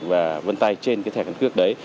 và vân tay trên cái thẻ căn cấp đấy